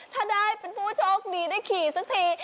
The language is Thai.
ถ้าได้เป็นผู้โชคดีได้ขี่สักที